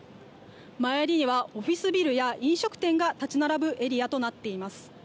周りにはオフィスビルや飲食店が立ち並ぶエリアとなっています。